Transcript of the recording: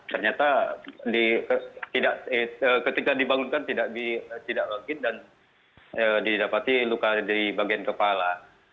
ternyata ketika dibangunkan tidak lagi dan didapati luka di bagian kepala